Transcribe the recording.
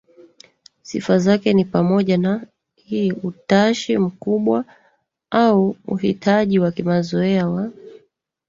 Sifa zake ni pamoja na i utashi mkubwa au uhitaji wa kimazoea wa